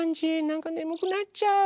なんかねむくなっちゃう。